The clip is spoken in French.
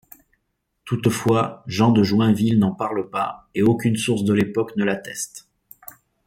Toutefois Jean de Joinville n'en parle pas, et aucune source de l'époque ne l'atteste.